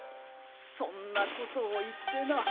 そんなことを言ってな。